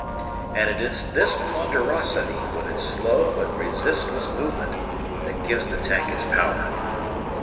And it is this ponderosity, with its slow but resistless movement, that gives the tank its power.